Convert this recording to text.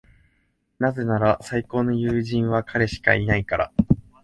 なぜなら、最高の友人は彼しかいないから。